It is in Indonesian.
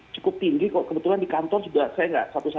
cukup tinggi kok kebetulan di kantor juga saya gak selalu berpuasa